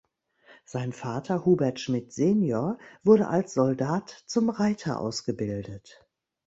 Sein Vater, Hubert Schmidt senior, wurde als Soldat zum Reiter ausgebildet.